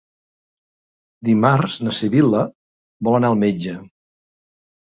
Dimarts na Sibil·la vol anar al metge.